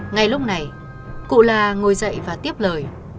ngay lúc này cụ là ngồi dậy và tiếp lời